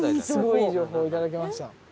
すごいいい情報をいただきました。